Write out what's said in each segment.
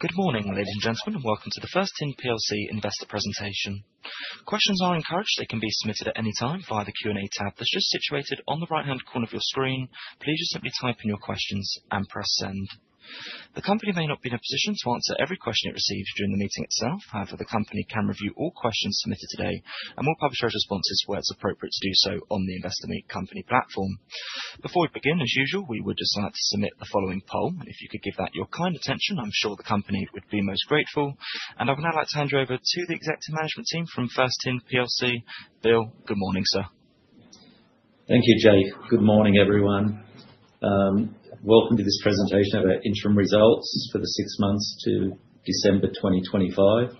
Good morning, ladies and gentlemen, and welcome to the First Tin PLC investor presentation. Questions are encouraged. They can be submitted at any time via the Q&A tab that's just situated on the right-hand corner of your screen. Please just simply type in your questions and press Send. The company may not be in a position to answer every question it receives during the meeting itself. However, the company can review all questions submitted today and will publish our responses where it's appropriate to do so on the Investor Meet Company platform. Before we begin, as usual, we would just like to submit the following poll. If you could give that your kind attention, I'm sure the company would be most grateful. I would now like to hand you over to the executive management team from First Tin PLC. Bill, good morning, sir. Thank you, Jake. Good morning, everyone. Welcome to this presentation of our interim results for the six months to December 2025.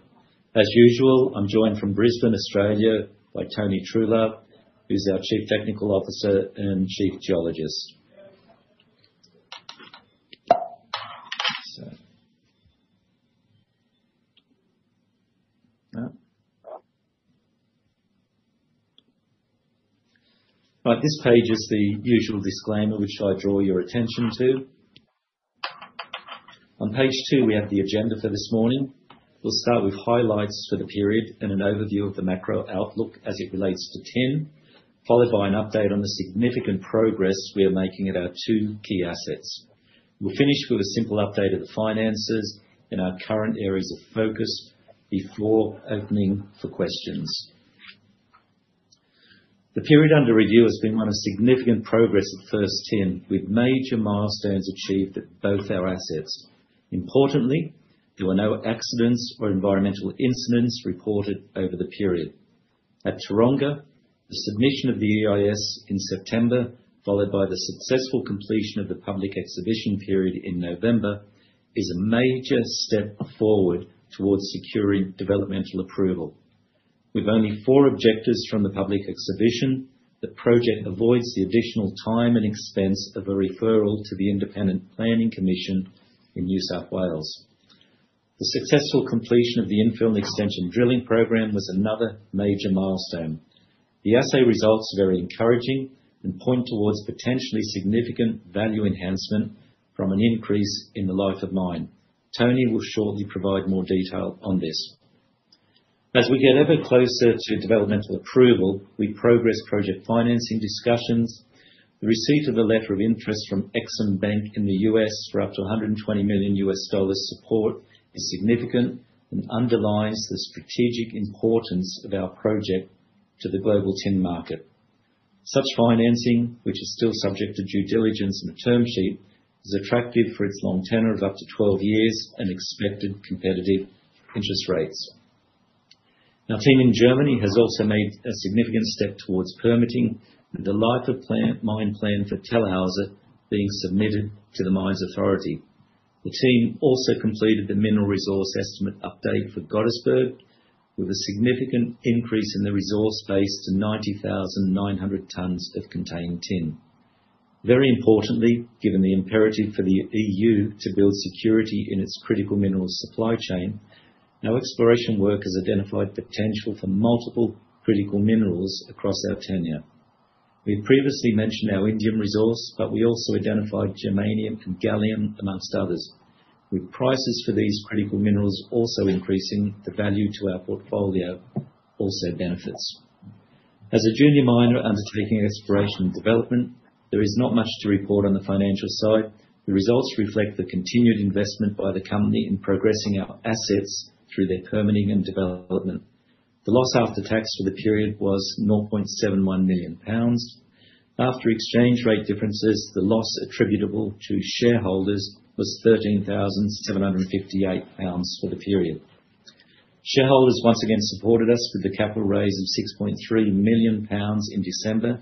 As usual, I'm joined from Brisbane, Australia, by Tony Truelove, who's our Chief Technical Officer and Chief Geologist. This page is the usual disclaimer, which I draw your attention to. On page two, we have the agenda for this morning. We'll start with highlights for the period and an overview of the macro outlook as it relates to tin, followed by an update on the significant progress we are making at our two key assets. We'll finish with a simple update of the finances and our current areas of focus before opening for questions. The period under review has been one of significant progress at First Tin, with major milestones achieved at both our assets. Importantly, there were no accidents or environmental incidents reported over the period. At Taronga, the submission of the EIS in September, followed by the successful completion of the public exhibition period in November, is a major step forward towards securing development approval. With only four objectors from the public exhibition, the project avoids the additional time and expense of a referral to the Independent Planning Commission in New South Wales. The successful completion of the infill extension drilling program was another major milestone. The assay results are very encouraging and point towards potentially significant value enhancement from an increase in the life of mine. Tony will shortly provide more detail on this. As we get ever closer to development approval, we progress project financing discussions. The receipt of a letter of interest from EXIM Bank in the US for up to $120 million support is significant and underlines the strategic importance of our project to the global tin market. Such financing, which is still subject to due diligence and a term sheet, is attractive for its long tenor of up to 12 years and expected competitive interest rates. The team in Germany has also made a significant step towards permitting, with the mine plan for Tellerhäuser being submitted to the mines authority. The team also completed the mineral resource estimate update for Gottesberg, with a significant increase in the resource base to 90,900 tons of contained tin. Very importantly, given the imperative for the EU to build security in its critical mineral supply chain, our exploration work has identified potential for multiple critical minerals across our tenure. We previously mentioned our indium resource, but we also identified germanium and gallium, among others. With prices for these critical minerals also increasing, the value to our portfolio also benefits. As a junior miner undertaking exploration and development, there is not much to report on the financial side. The results reflect the continued investment by the company in progressing our assets through their permitting and development. The loss after tax for the period was 9.71 million pounds. After exchange rate differences, the loss attributable to shareholders was 13,758 pounds for the period. Shareholders once again supported us with a capital raise of 6.3 million pounds in December,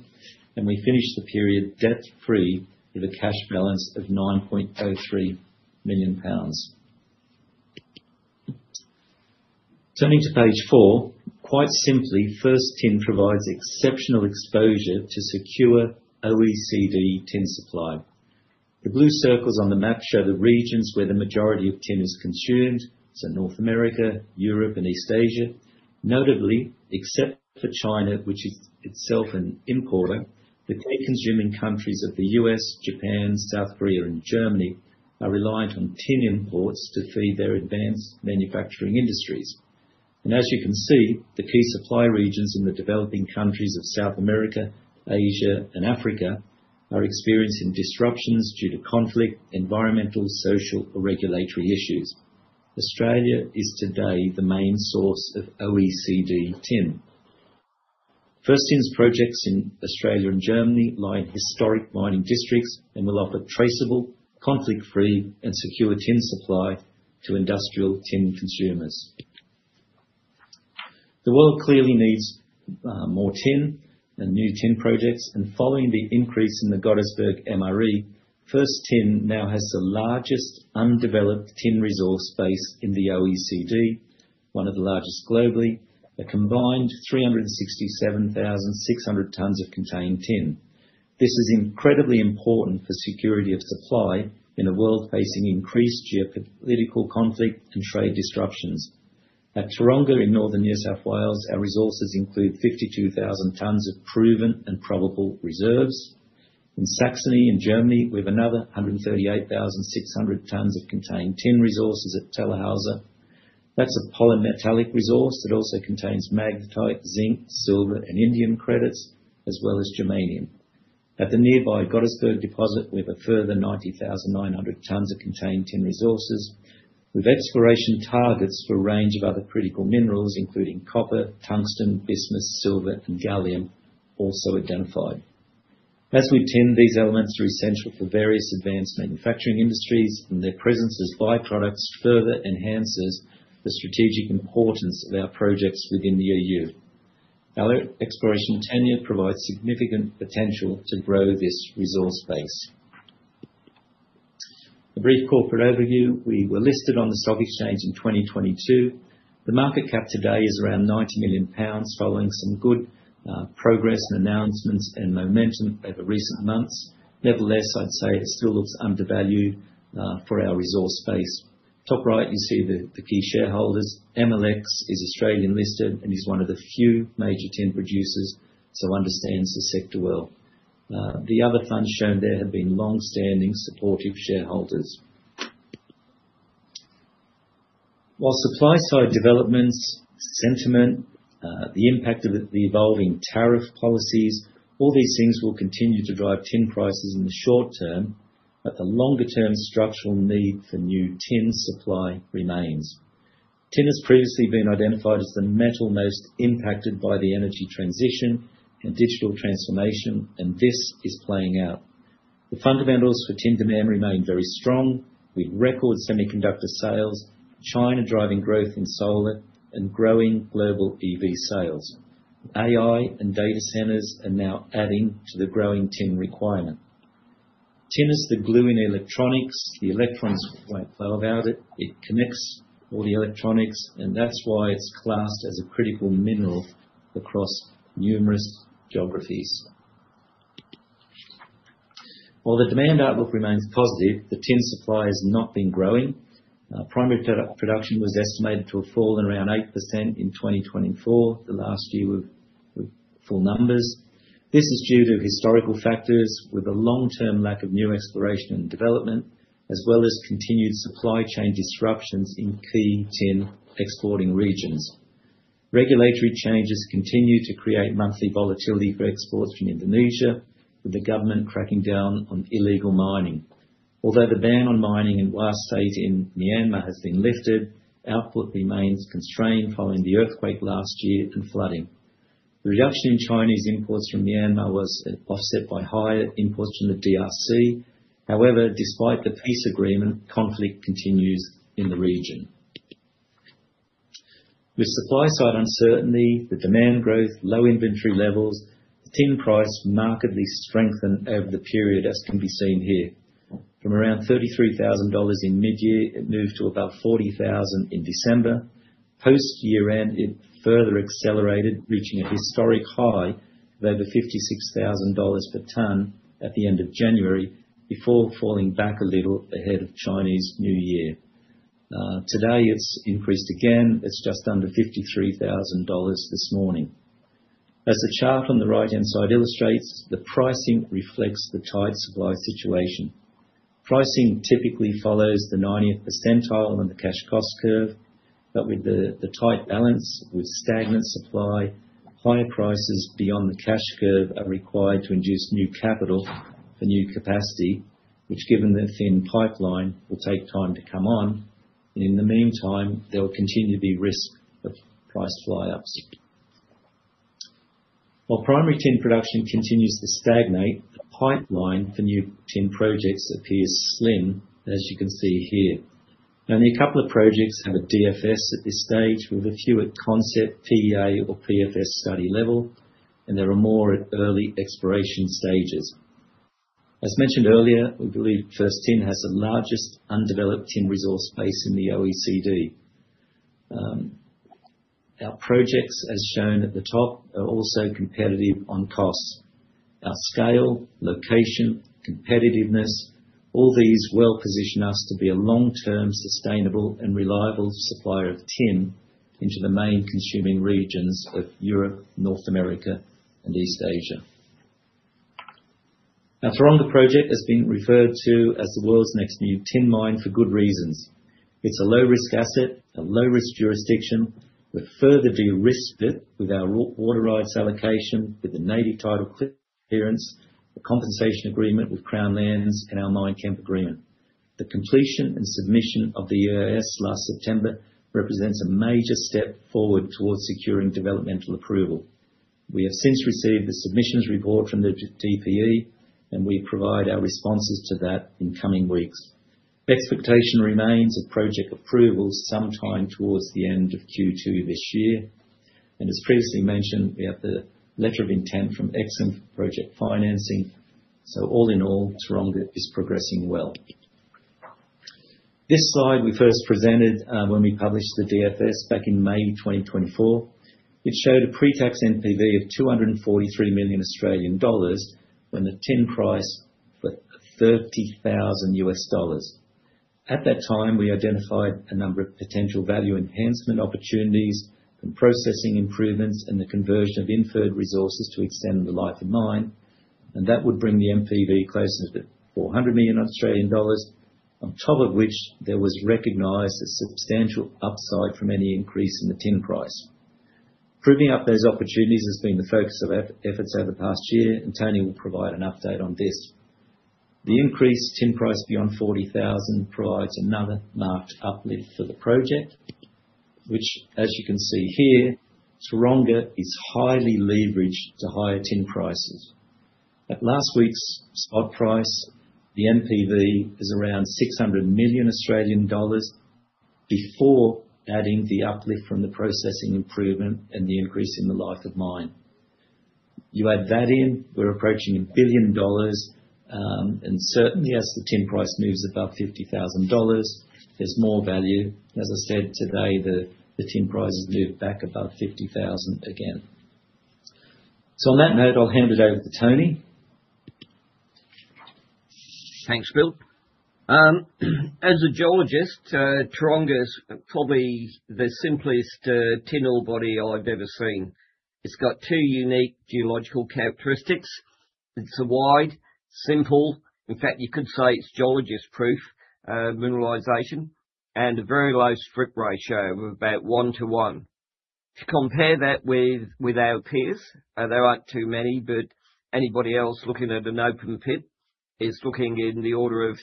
and we finished the period debt-free with a cash balance of 9.03 million pounds. Turning to page four. Quite simply, First Tin provides exceptional exposure to secure OECD tin supply. The blue circles on the map show the regions where the majority of tin is consumed, so North America, Europe and East Asia. Notably, except for China, which is itself an importer, the key consuming countries of the U.S., Japan, South Korea and Germany are reliant on tin imports to feed their advanced manufacturing industries. As you can see, the key supply regions in the developing countries of South America, Asia and Africa are experiencing disruptions due to conflict, environmental, social or regulatory issues. Australia is today the main source of OECD tin. First Tin's projects in Australia and Germany line historic mining districts and will offer traceable, conflict-free and secure tin supply to industrial tin consumers. The world clearly needs more tin and new tin projects. Following the increase in the Gottesberg MRE, First Tin now has the largest undeveloped tin resource base in the OECD, one of the largest globally, a combined 367,600 tons of contained tin. This is incredibly important for security of supply in a world facing increased geopolitical conflict and trade disruptions. At Taronga in northern New South Wales, our resources include 52,000 tons of proven and probable reserves. In Saxony in Germany, we have another 138,600 tons of contained tin resources at Tellerhäuser. That's a polymetallic resource that also contains magnetite, zinc, silver, and indium credits, as well as germanium. At the nearby Gottesberg deposit, we have a further 90,900 tons of contained tin resources with exploration targets for a range of other critical minerals, including copper, tungsten, bismuth, silver, and gallium also identified. As with tin, these elements are essential for various advanced manufacturing industries, and their presence as byproducts further enhances the strategic importance of our projects within the EU. Our exploration tenure provides significant potential to grow this resource base. A brief corporate overview. We were listed on the stock exchange in 2022. The market cap today is around 90 million pounds following some good progress, announcements, and momentum over recent months. Nevertheless, I'd say it still looks undervalued for our resource base. Top right, you see the key shareholders. Metals X is Australian-listed and is one of the few major tin producers, so understands the sector well. The other funds shown there have been long-standing supportive shareholders. While supply-side developments, sentiment, the impact of the evolving tariff policies, all these things will continue to drive tin prices in the short term, but the longer-term structural need for new tin supply remains. Tin has previously been identified as the metal most impacted by the energy transition and digital transformation, and this is playing out. The fundamentals for tin demand remain very strong with record semiconductor sales, China driving growth in solar and growing global EV sales. AI and data centers are now adding to the growing tin requirement. Tin is the glue in electronics. The electrons won't flow without it. It connects all the electronics, and that's why it's classed as a critical mineral across numerous geographies. While the demand outlook remains positive, the tin supply has not been growing. Primary production was estimated to have fallen around 8% in 2024, the last year with full numbers. This is due to historical factors with a long-term lack of new exploration and development, as well as continued supply chain disruptions in key tin exporting regions. Regulatory changes continue to create monthly volatility for exports from Indonesia, with the government cracking down on illegal mining. Although the ban on mining in Wa State in Myanmar has been lifted, output remains constrained following the earthquake last year and flooding. The reduction in Chinese imports from Myanmar was offset by higher imports from the DRC. However, despite the peace agreement, conflict continues in the region. With supply-side uncertainty, the demand growth, low inventory levels, tin price markedly strengthened over the period, as can be seen here. From around $33,000 in mid-year, it moved to about $40,000 in December. Post-year-end, it further accelerated, reaching a historic high of over $56,000 per ton at the end of January before falling back a little ahead of Chinese New Year. Today it's increased again. It's just under $53,000 this morning. As the chart on the right-hand side illustrates, the pricing reflects the tight supply situation. Pricing typically follows the 90th percentile on the cash cost curve, but with the tight balance, with stagnant supply, higher prices beyond the cash curve are required to induce new capital for new capacity, which given the thin pipeline, will take time to come on. In the meantime, there will continue to be risk of price fly ups. While primary tin production continues to stagnate, the pipeline for new tin projects appears slim, as you can see here. Only a couple of projects have a DFS at this stage, with a few at concept, PEA or PFS study level, and there are more at early exploration stages. As mentioned earlier, we believe First Tin has the largest undeveloped tin resource base in the OECD. Our projects, as shown at the top, are also competitive on cost. Our scale, location, competitiveness, all these well-position us to be a long-term, sustainable, and reliable supplier of tin into the main consuming regions of Europe, North America, and East Asia. Our Taronga project has been referred to as the world's next new tin mine for good reasons. It's a low-risk asset, a low-risk jurisdiction. We further de-risked it with our water rights allocation, with the native title clearance, the compensation agreement with Crown Lands and our mine camp agreement. The completion and submission of the EIS last September represents a major step forward towards securing development approval. We have since received the submissions report from the DPE, and we provide our responses to that in coming weeks. The expectation remains of project approval sometime towards the end of Q2 this year. As previously mentioned, we have the letter of intent from EXIM for project financing. All in all, Taronga is progressing well. This slide we first presented when we published the DFS back in May 2024. It showed a pre-tax NPV of 243 million Australian dollars when the tin price was $30,000. At that time, we identified a number of potential value enhancement opportunities and processing improvements and the conversion of inferred resources to extend the life of mine, and that would bring the NPV closer to 400 million Australian dollars. On top of which, there was recognized a substantial upside from any increase in the tin price. Proving up those opportunities has been the focus of efforts over the past year, and Tony will provide an update on this. The increased tin price beyond 40,000 provides another marked uplift for the project, which, as you can see here, Taronga is highly leveraged to higher tin prices. At last week's spot price, the NPV is around 600 million Australian dollars before adding the uplift from the processing improvement and the increase in the life of mine. You add that in, we're approaching $1 billion, and certainly as the tin price moves above $50,000, there's more value. As I said today, the tin price has moved back above $50,000 again. On that note, I'll hand it over to Tony. Thanks, Bill. As a geologist, Taronga is probably the simplest tin ore body I've ever seen. It's got two unique geological characteristics. It's a wide, simple. In fact, you could say it's geologist-proof mineralization and a very low strip ratio of about one-to-one. To compare that with our peers, there aren't too many, but anybody else looking at an open pit is looking in the order of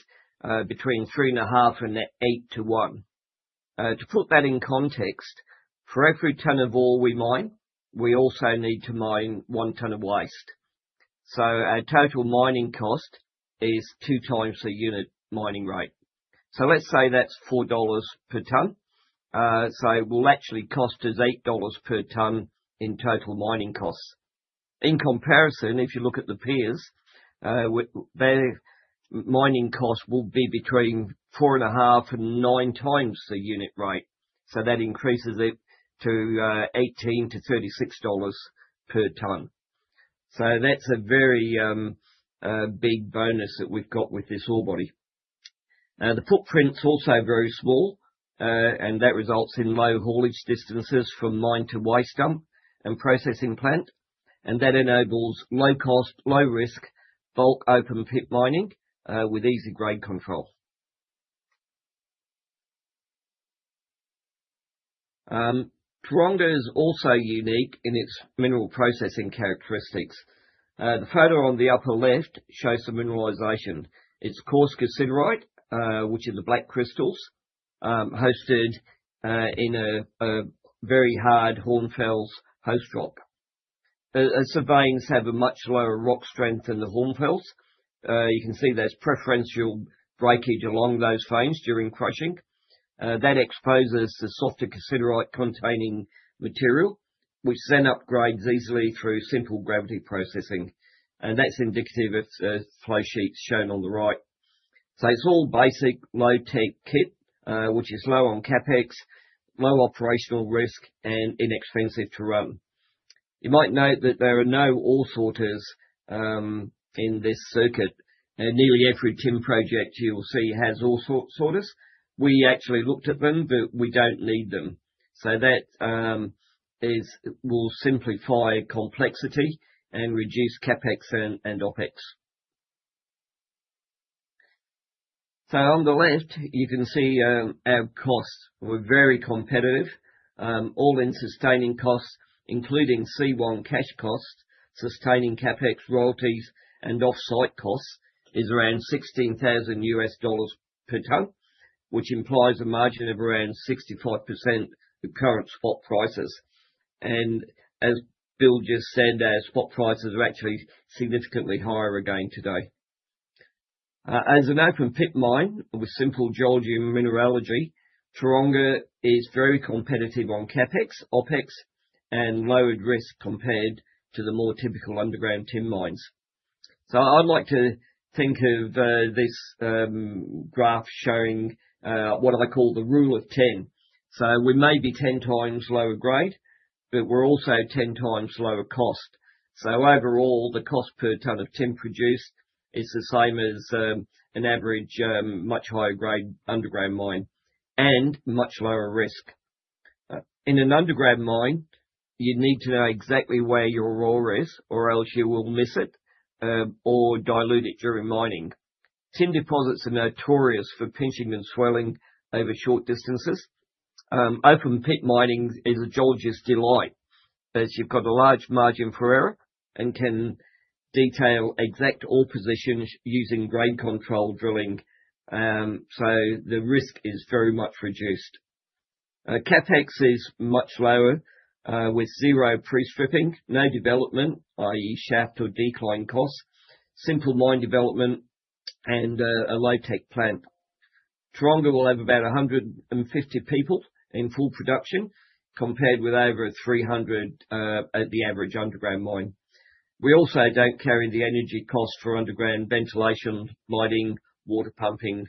between 3.5 and eight to one. To put that in context, for every ton of ore we mine, we also need to mine one ton of waste. Our total mining cost is two times the unit mining rate. Let's say that's 4 dollars per ton. It will actually cost us 8 dollars per ton in total mining costs. In comparison, if you look at the peers, their mining costs will be between 4.5, nine times the unit rate. That increases it to $18-$36 per ton. That's a very big bonus that we've got with this ore body. The footprint's also very small, and that results in low haulage distances from mine to waste dump and processing plant, and that enables low cost, low risk, bulk open pit mining with easy grade control. Taronga is also unique in its mineral processing characteristics. The photo on the upper left shows the mineralization. It's coarse cassiterite, which is the black crystals, hosted in a very hard hornfels host rock. Veins have a much lower rock strength than the hornfels. You can see there's preferential breakage along those veins during crushing. That exposes the softer cassiterite-containing material, which then upgrades easily through simple gravity processing, and that's indicative of the flow sheets shown on the right. It's all basic low-tech kit, which is low on CapEx, low operational risk, and inexpensive to run. You might note that there are no ore sorters in this circuit. Nearly every tin project you will see has ore sorters. We actually looked at them, but we don't need them. That will simplify complexity and reduce CapEx and OpEx. On the left, you can see our costs were very competitive. All-in sustaining costs, including C1 cash costs, sustaining CapEx, royalties, and offsite costs is around $16,000 per ton, which implies a margin of around 65% of the current spot prices. As Bill just said, our spot prices are actually significantly higher again today. As an open pit mine with simple geology mineralogy, Taronga is very competitive on CapEx, OpEx, and lower risk compared to the more typical underground tin mines. I'd like to think of this graph showing what I call the rule of ten. We may be ten times lower grade, but we're also ten times lower cost. Overall, the cost per ton of tin produced is the same as an average much higher grade underground mine and much lower risk. In an underground mine, you need to know exactly where your ore is or else you will miss it or dilute it during mining. Tin deposits are notorious for pinching and swelling over short distances. Open pit mining is a geologist's delight, as you've got a large margin for error and can detail exact ore positions using grade control drilling. The risk is very much reduced. CapEx is much lower with zero pre-stripping, no development, i.e. shaft or decline costs, simple mine development, and a low-tech plant. Taronga will have about 150 people in full production, compared with over 300 at the average underground mine. We also don't carry the energy cost for underground ventilation, lighting, water pumping,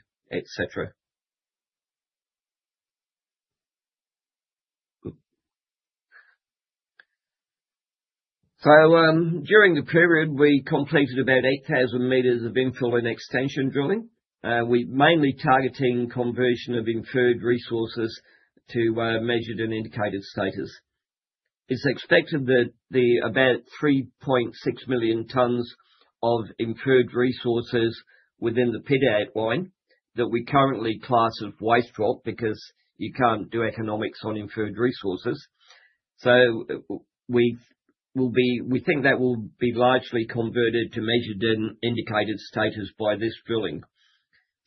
etc. During the period, we completed about 8,000 meters of infill and extension drilling. We mainly targeting conversion of inferred resources to measured and indicated status. It's expected that about 3.6 million tons of inferred resources within the pit outline that we currently class as waste rock because you can't do economics on inferred resources. We'll be, we think that will be largely converted to measured and indicated status by this drilling.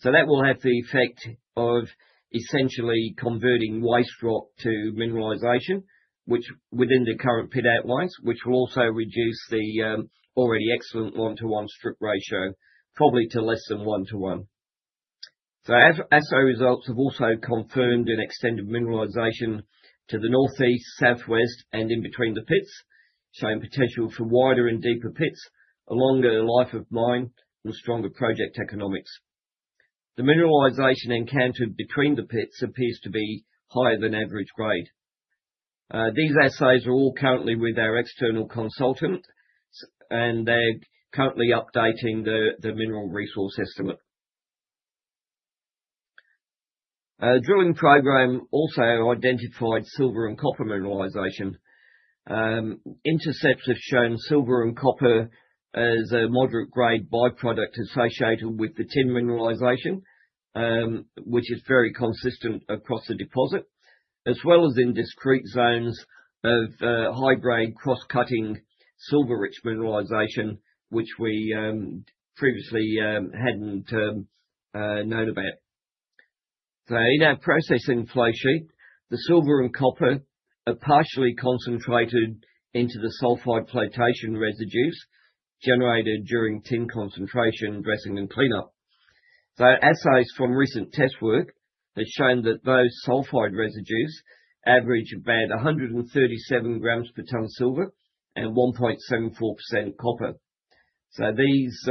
That will have the effect of essentially converting waste rock to mineralization, which within the current pit outlines, which will also reduce the already excellent one-to-one strip ratio, probably to less than one-to-one. Our results have also confirmed an extended mineralization to the northeast, southwest and in between the pits, showing potential for wider and deeper pits, a longer Life of Mine and stronger project economics. The mineralization encountered between the pits appears to be higher than average grade. These assays are all currently with our external consultant and they're currently updating the mineral resource estimate. Drilling program also identified silver and copper mineralization. Intercepts have shown silver and copper as a moderate-grade by-product associated with the tin mineralization, which is very consistent across the deposit, as well as in discrete zones of high-grade cross-cutting silver-rich mineralization, which we previously hadn't known about. In our processing flow sheet, the silver and copper are partially concentrated into the sulfide flotation residues generated during tin concentration, dressing and cleanup. Assays from recent test work has shown that those sulfide residues average about 137 grams per ton silver and 1.74% copper. These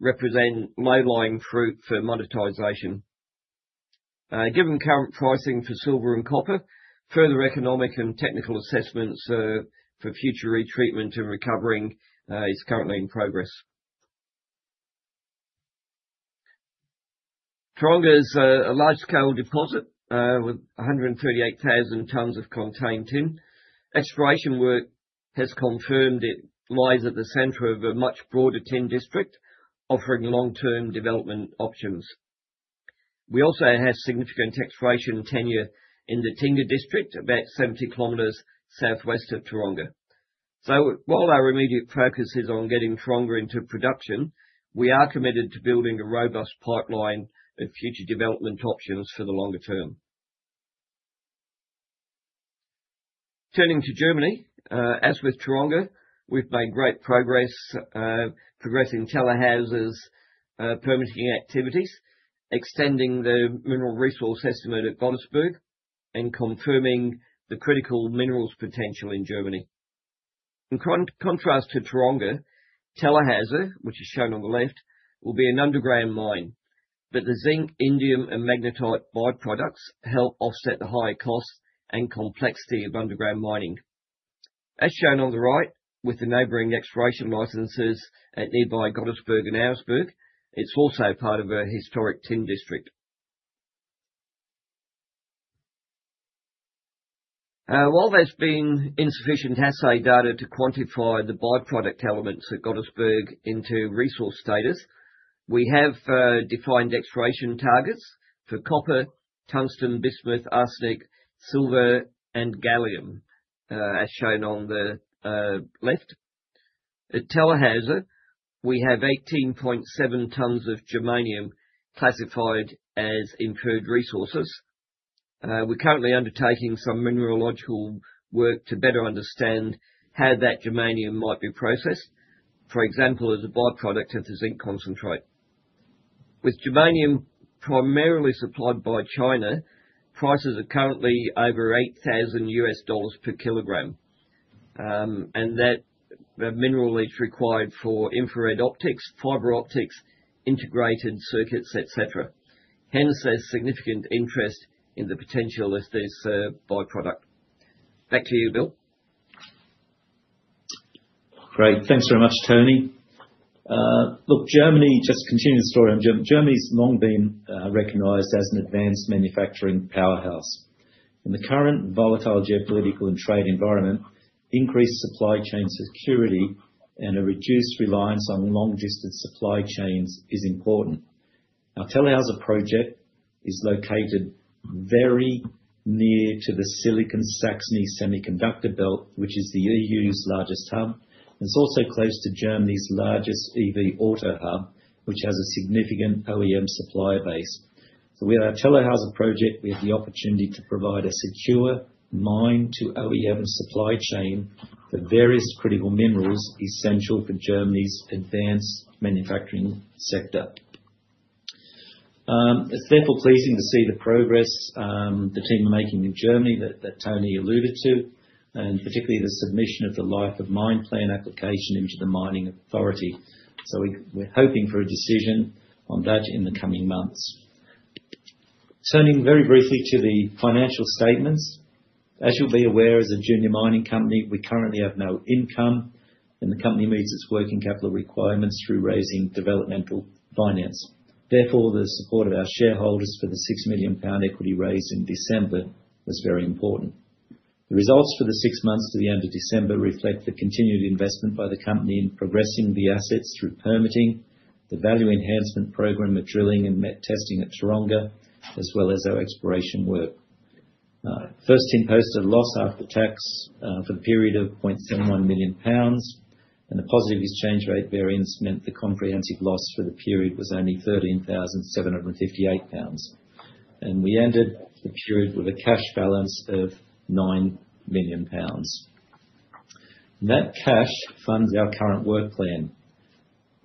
represent low-hanging fruit for monetization. Given current pricing for silver and copper, further economic and technical assessments for future retreatment and recovering is currently in progress. Taronga is a large-scale deposit with 138,000 tons of contained tin. Exploration work has confirmed it lies at the center of a much broader tin district, offering long-term development options. We also have significant exploration tenure in the Tingha District, about 70 km southwest of Taronga. While our immediate focus is on getting Taronga into production, we are committed to building a robust pipeline of future development options for the longer term. Turning to Germany, as with Taronga, we've made great progress progressing Tellerhäuser's permitting activities, extending the mineral resource estimate at Gottesberg, and confirming the critical minerals potential in Germany. In contrast to Taronga, Tellerhäuser, which is shown on the left, will be an underground mine, but the zinc, indium and magnetite by-products help offset the high cost and complexity of underground mining. As shown on the right, with the neighboring exploration licenses at nearby Gottesberg and Auersberg, it's also part of a historic tin district. While there's been insufficient assay data to quantify the by-product elements at Gottesberg into resource status, we have defined exploration targets for copper, tungsten, bismuth, arsenic, silver and gallium, as shown on the left. At Tellerhäuser, we have 18.7 tons of germanium classified as inferred resources. We're currently undertaking some mineralogical work to better understand how that germanium might be processed, for example, as a by-product of the zinc concentrate. With germanium primarily supplied by China, prices are currently over $8,000 per kilogram. That the mineral is required for infrared optics, fiber optics, integrated circuits, et cetera. Hence, there's significant interest in the potential as this by-product. Back to you, Bill. Great. Thanks very much, Tony. Look, Germany, just to continue the story on Germany. Germany's long been recognized as an advanced manufacturing powerhouse. In the current volatile geopolitical and trade environment, increased supply chain security and a reduced reliance on long-distance supply chains is important. Our Tellerhäuser project is located very near to the Silicon Saxony semiconductor belt, which is the EU's largest hub. It's also close to Germany's largest EV auto hub, which has a significant OEM supplier base. With our Tellerhäuser project, we have the opportunity to provide a secure mine to OEM supply chain for various critical minerals essential for Germany's advanced manufacturing sector. It's therefore pleasing to see the progress the team are making in Germany that Tony alluded to, and particularly the submission of the Life of Mine plan application into the mining authority. We're hoping for a decision on that in the coming months. Turning very briefly to the financial statements. As you'll be aware, as a junior mining company, we currently have no income, and the company meets its working capital requirements through raising developmental finance. Therefore, the support of our shareholders for the 6 million pound equity raise in December was very important. The results for the six months to the end of December reflect the continued investment by the company in progressing the assets through permitting, the value enhancement program of drilling and met testing at Taronga, as well as our exploration work. First Tin posted a loss after tax for the period of 0.71 million pounds, and the positive exchange rate variance meant the comprehensive loss for the period was only 13,758 pounds. We ended the period with a cash balance of 9 million pounds. That cash funds our current work plan.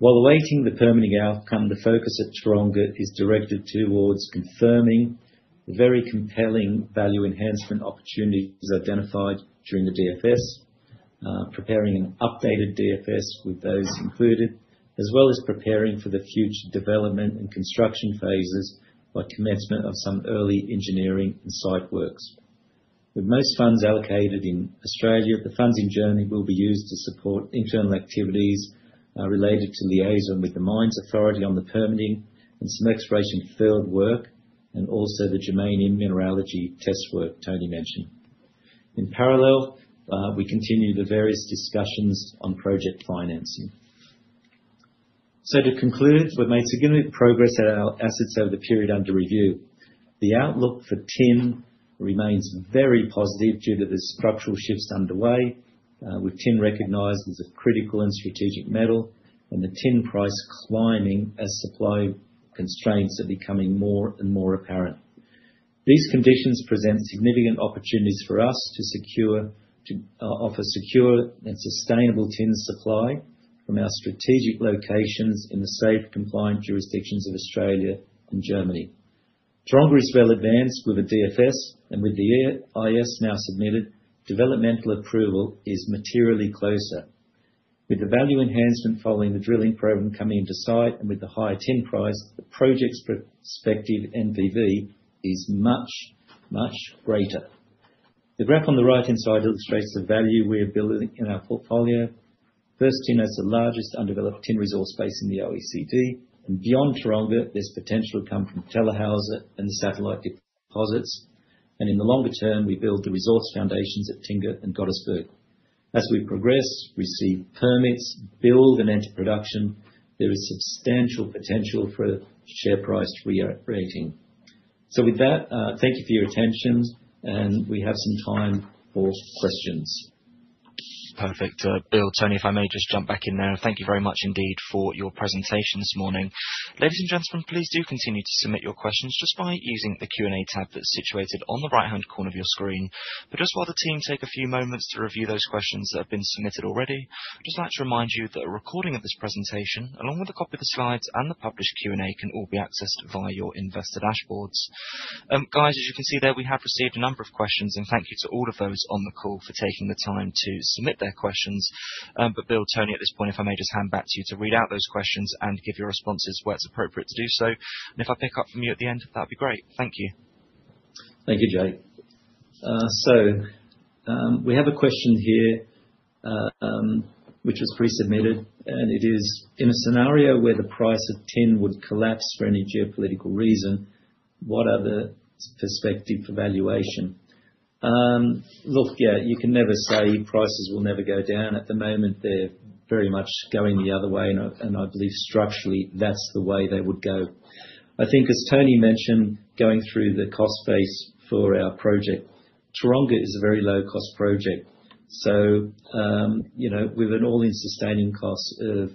While awaiting the permitting outcome, the focus at Taronga is directed towards confirming the very compelling value enhancement opportunities identified during the DFS, preparing an updated DFS with those included, as well as preparing for the future development and construction phases by commencement of some early engineering and site works. With most funds allocated in Australia, the funding journey will be used to support internal activities, related to liaison with the mines authority on the permitting and some exploration field work, and also the germanium mineralogy test work Tony mentioned. In parallel, we continue the various discussions on project financing. To conclude, we've made significant progress at our assets over the period under review. The outlook for tin remains very positive due to the structural shifts underway, with tin recognized as a critical and strategic metal and the tin price climbing as supply constraints are becoming more and more apparent. These conditions present significant opportunities for us to offer secure and sustainable tin supply from our strategic locations in the safe, compliant jurisdictions of Australia and Germany. Taronga is well advanced with a DFS, and with the EIS now submitted, development approval is materially closer. With the value enhancement following the drilling program coming on site and with the higher tin price, the project's prospective NPV is much, much greater. The graph on the right-hand side illustrates the value we are building in our portfolio. First Tin has the largest undeveloped tin resource base in the OECD. Beyond Taronga, there's potential to come from Tellerhäuser and the satellite deposits. In the longer term, we build the resource foundations at Tingha and Gottesberg. As we progress, receive permits, build and enter production, there is substantial potential for share price re-rating. With that, thank you for your attention and we have some time for questions. Perfect. Bill, Tony, if I may just jump back in there. Thank you very much indeed for your presentation this morning. Ladies and gentlemen, please do continue to submit your questions just by using the Q&A tab that's situated on the right-hand corner of your screen. Just while the team take a few moments to review those questions that have been submitted already, I'd just like to remind you that a recording of this presentation along with a copy of the slides and the published Q&A, can all be accessed via your investor dashboards. Guys, as you can see there, we have received a number of questions, and thank you to all of those on the call for taking the time to submit their questions. Bill, Tony, at this point, if I may just hand back to you to read out those questions and give your responses where it's appropriate to do so. If I pick up from you at the end, that'd be great. Thank you. Thank you, Jake. So, we have a question here, which was pre-submitted, and it is, in a scenario where the price of tin would collapse for any geopolitical reason, what are the prospects for valuation? Look, yeah, you can never say prices will never go down. At the moment, they're very much going the other way, and I believe structurally, that's the way they would go. I think as Tony mentioned, going through the cost base for our project, Taronga is a very low-cost project. So, you know, with an all-in sustaining cost of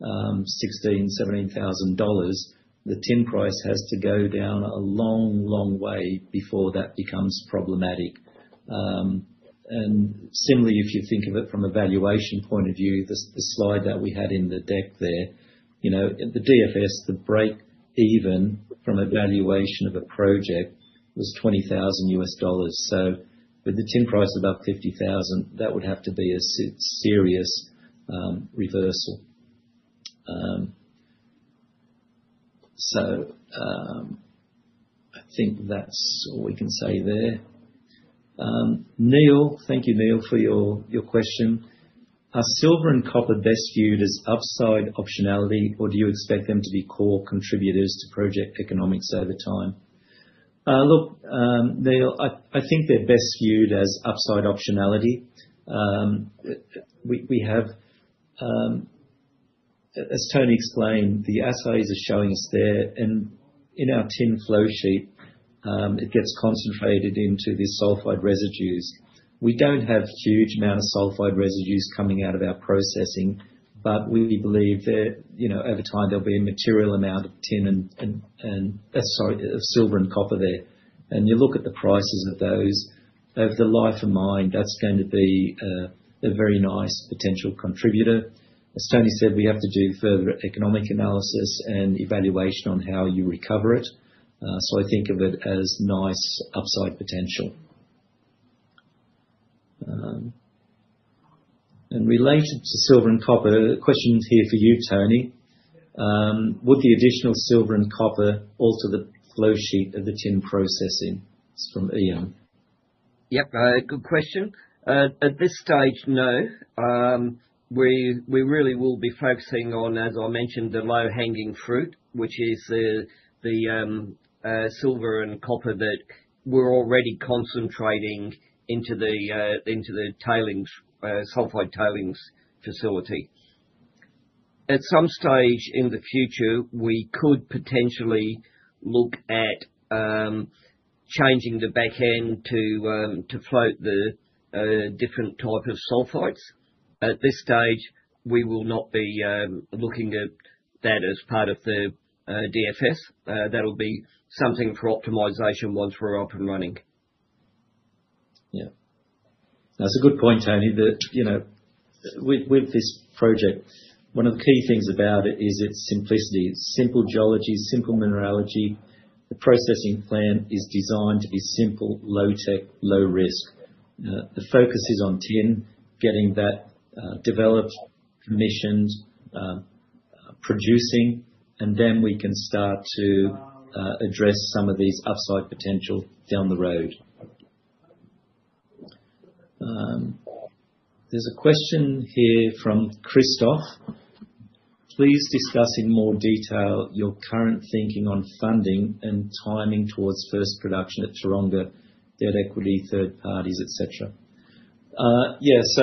16,000-17,000 dollars, the tin price has to go down a long, long way before that becomes problematic. Similarly, if you think of it from a valuation point of view, the slide that we had in the deck there, you know, the DFS, the break even from a valuation of a project was $20,000. With the tin price above $50,000, that would have to be a serious reversal. I think that's all we can say there. Neil, thank you for your question. Are silver and copper best viewed as upside optionality, or do you expect them to be core contributors to project economics over time? Look, Neil, I think they're best viewed as upside optionality. We have, as Tony explained, the assays are showing us they're in our tin flow sheet, it gets concentrated into the sulfide residues. We don't have huge amount of sulfide residues coming out of our processing, but we believe that, you know, over time there'll be a material amount of tin, silver and copper there. You look at the prices of those, over the Life of Mine, that's going to be a very nice potential contributor. As Tony said, we have to do further economic analysis and evaluation on how you recover it. I think of it as nice upside potential. Related to silver and copper, the question is here for you, Tony. Would the additional silver and copper alter the flow sheet of the tin processing? It's from Ian. Yep. Good question. At this stage, no. We really will be focusing on, as I mentioned, the low-hanging fruit, which is the silver and copper that we're already concentrating into the sulfide tailings facility. At some stage in the future, we could potentially look at changing the back end to float the different type of sulfides. At this stage, we will not be looking at that as part of the DFS. That'll be something for optimization once we're up and running. Yeah. That's a good point, Tony, that, you know, with this project, one of the key things about it is its simplicity. It's simple geology, simple mineralogy. The processing plant is designed to be simple, low-tech, low-risk. The focus is on tin, getting that developed, commissioned, producing, and then we can start to address some of these upside potential down the road. There's a question here from Christoph. Please discuss in more detail your current thinking on funding and timing towards first production at Taronga, debt equity, third parties, et cetera. Yeah, it's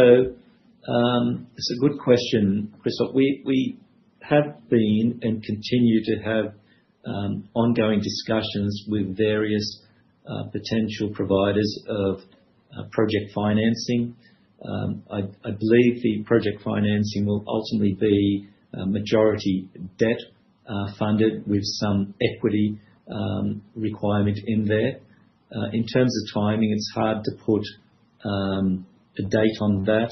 a good question, Christoph. We have been and continue to have ongoing discussions with various potential providers of project financing. I believe the project financing will ultimately be majority debt funded with some equity requirement in there. In terms of timing, it's hard to put a date on that.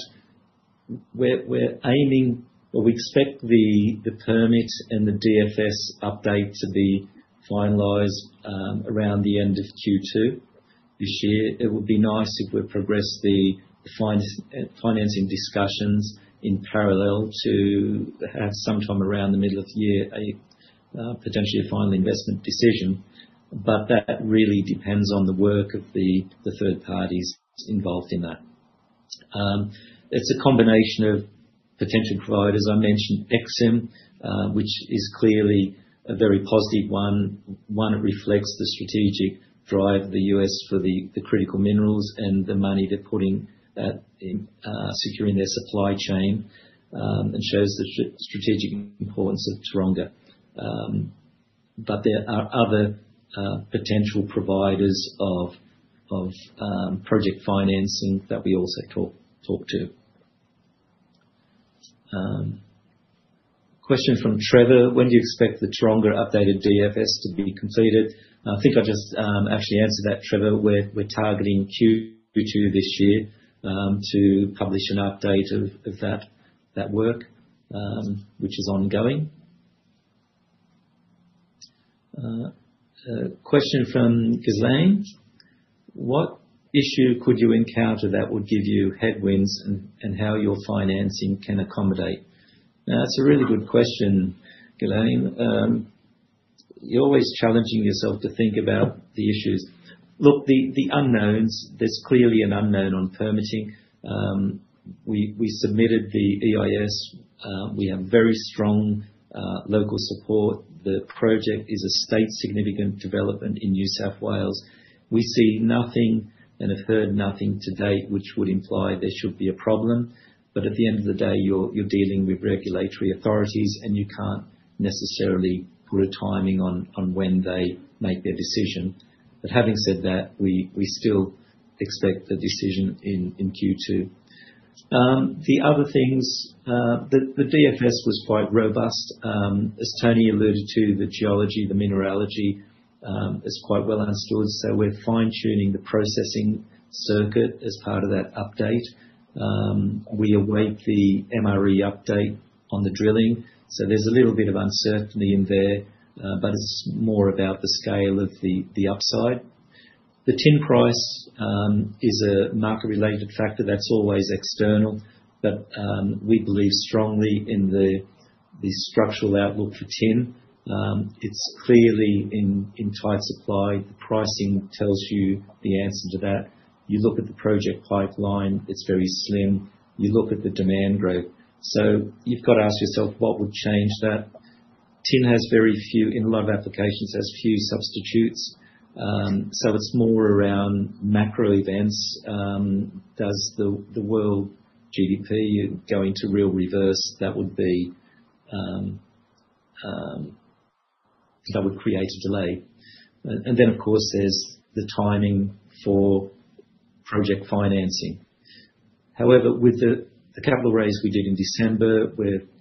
We expect the permit and the DFS update to be finalized around the end of Q2 this year. It would be nice if we progress the financing discussions in parallel to perhaps sometime around the middle of the year, potentially a final investment decision. That really depends on the work of the third parties involved in that. It's a combination of potential providers. I mentioned EXIM, which is clearly a very positive one. One, it reflects the strategic drive of the U.S. for the critical minerals and the money they're putting in securing their supply chain, and shows the strategic importance of Taronga. There are other potential providers of project financing that we also talk to. Question from Trevor: When do you expect the Taronga updated DFS to be completed? I think I just actually answered that, Trevor. We're targeting Q2 this year to publish an update of that work, which is ongoing. A question from Ghislaine: What issue could you encounter that would give you headwinds, and how your financing can accommodate? Now, that's a really good question, Ghislaine. You're always challenging yourself to think about the issues. Look, the unknowns, there's clearly an unknown on permitting. We submitted the EIS. We have very strong local support. The project is a State Significant Development in New South Wales. We see nothing and have heard nothing to date which would imply there should be a problem. At the end of the day, you're dealing with regulatory authorities, and you can't necessarily put a timing on when they make their decision. Having said that, we still expect the decision in Q2. The other things, the DFS was quite robust. As Tony alluded to, the geology, the mineralogy is quite well understood, so we're fine-tuning the processing circuit as part of that update. We await the MRE update on the drilling. There's a little bit of uncertainty in there, but it's more about the scale of the upside. The tin price is a market-related factor that's always external. We believe strongly in the structural outlook for tin. It's clearly in tight supply. The pricing tells you the answer to that. You look at the project pipeline, it's very slim. You look at the demand growth. You've got to ask yourself what would change that. Tin has very few substitutes in a lot of applications. It's more around macro events. Does the world GDP go into real reverse? That would create a delay. Then, of course, there's the timing for project financing. However, with the capital raise we did in December,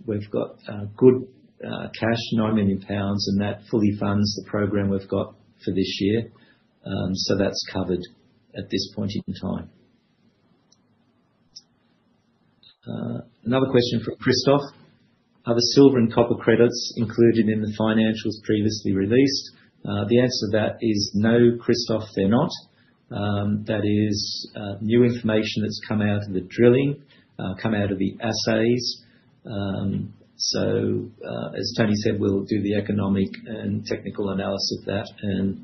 we've got good cash, 9 million pounds, and that fully funds the program we've got for this year. That's covered at this point in time. Another question from Christoph. Are the silver and copper credits included in the financials previously released? The answer to that is no, Christoph, they're not. That is new information that's come out of the drilling, come out of the assays. As Tony said, we'll do the economic and technical analysis of that, and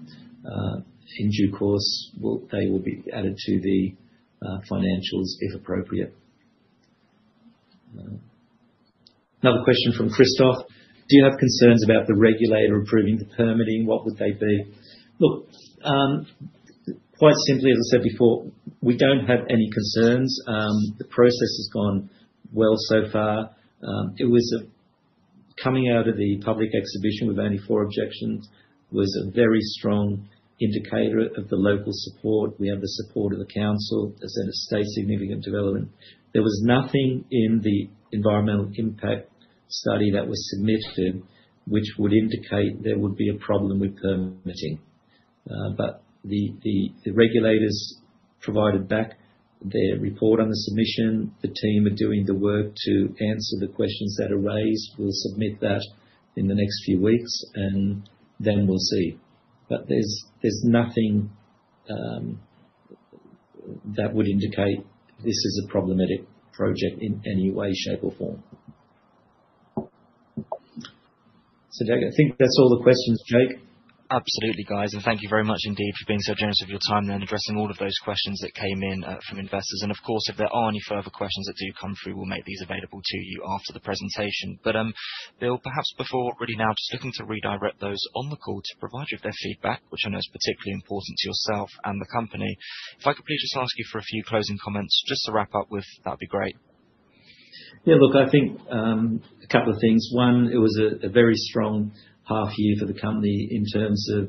in due course, they will be added to the financials if appropriate. Another question from Christoph: Do you have concerns about the regulator approving the permitting? What would they be? Look, quite simply, as I said before, we don't have any concerns. The process has gone well so far. Coming out of the public exhibition with only four objections was a very strong indicator of the local support. We have the support of the council as is a State Significant Development. There was nothing in the environmental impact study that was submitted, which would indicate there would be a problem with permitting. The regulators provided back their report on the submission. The team are doing the work to answer the questions that are raised. We'll submit that in the next few weeks, and then we'll see. There's nothing that would indicate this is a problematic project in any way, shape, or form. Jake, I think that's all the questions, Jake. Absolutely, guys. Thank you very much indeed for being so generous with your time and addressing all of those questions that came in from investors. Of course, if there are any further questions that do come through, we'll make these available to you after the presentation. Bill, perhaps before, really now, just looking to redirect those on the call to provide you with their feedback, which I know is particularly important to yourself and the company. If I could please just ask you for a few closing comments just to wrap up with, that'd be great. Yeah. Look, I think a couple of things. One, it was a very strong half year for the company in terms of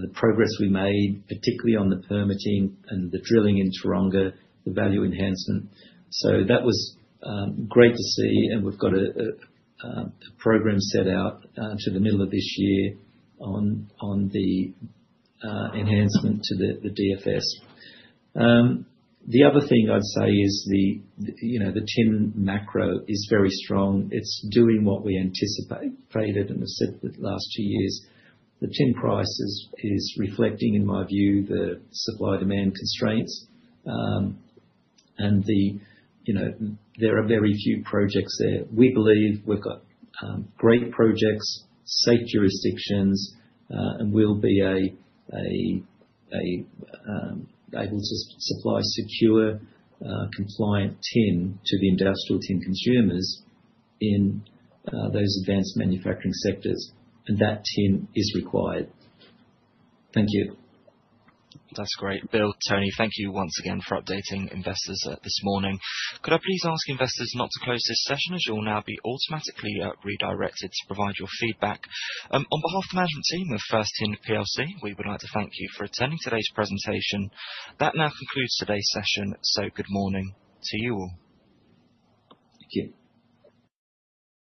the progress we made, particularly on the permitting and the drilling in Taronga, the value enhancement. So that was great to see, and we've got a program set out to the middle of this year on the enhancement to the DFS. The other thing I'd say is you know, the tin macro is very strong. It's doing what we anticipated, and we've said for the last two years. The tin price is reflecting, in my view, the supply-demand constraints. And you know, there are very few projects there. We believe we've got great projects, safe jurisdictions, and we'll be able to supply secure, compliant tin to the industrial tin consumers in those advanced manufacturing sectors, and that tin is required. Thank you. That's great. Bill, Tony, thank you once again for updating investors this morning. Could I please ask investors not to close this session, as you'll now be automatically redirected to provide your feedback. On behalf of the management team of First Tin PLC, we would like to thank you for attending today's presentation. That now concludes today's session. Good morning to you all. Thank you.